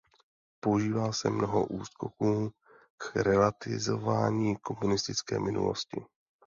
Používá se mnoho úskoků k relativizování komunistické minulosti.